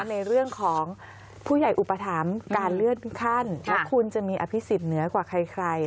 ในเรื่องของผู้ใหญ่อุปถัมภ์การเลื่อนขั้นแล้วคุณจะมีอภิษฎเหนือกว่าใคร